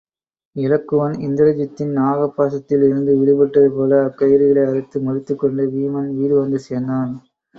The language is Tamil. இலக்குவன் இந்திரஜித்தின் நாகபாசத்தில் இருந்து விடுபட்டது போல அக்கயிறுகளை அறுத்து முறித்துக் கொண்டு வீமன் வீடு வந்து சேர்ந்தான்.